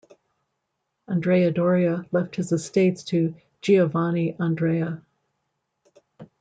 Andrea Doria left his estates to Giovanni Andrea.